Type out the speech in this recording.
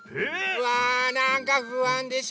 うわなんかふあんでしかない。